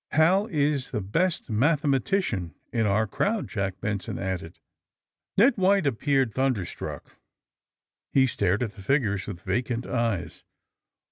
^' Hal is the best mathematician in our crowd, " Jack Benson added. Ned White appeared thunderstruck. He stared at the figures with vacant eyes.